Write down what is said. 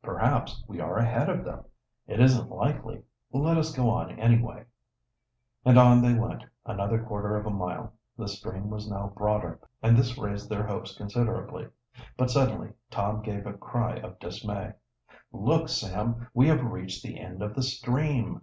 "Perhaps we are ahead of them." "It isn't likely. Let us go on, anyway." And on they went, another quarter of a mile. The stream was now broader, and this raised their hopes considerably. But suddenly Tom gave a cry of dismay. "Look, Sam! We have reached the end of the stream!"